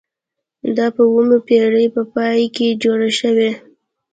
دا په اوومې پیړۍ په پای کې جوړ شوي.